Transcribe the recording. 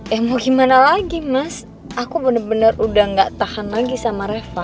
ya mau gimana lagi mas aku benar benar udah gak tahan lagi sama reva